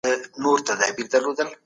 غړي په خپلو منځونو کي مشوري کوي.